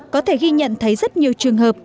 có thể ghi nhận thấy rất nhiều trường hợp